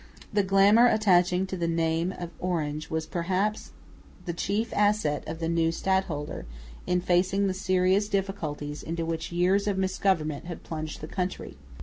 The glamour attaching to the name of Orange was perhaps the chief asset of the new stadholder in facing the serious difficulties into which years of misgovernment had plunged the country.